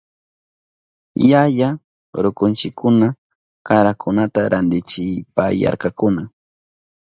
Yaya rukunchikuna karakunata rantichipayarkakuna.